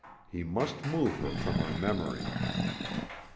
He must move her from her memory.